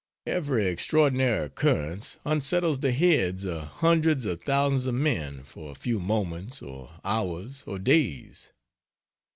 Every extraordinary occurrence unsettles the heads of hundreds of thousands of men for a few moments or hours or days.